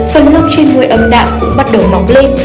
phần nước trên môi âm đạm cũng bắt đầu mọc lên